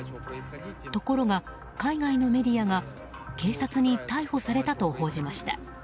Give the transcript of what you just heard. ところが海外のメディアが警察に逮捕されたと報じました。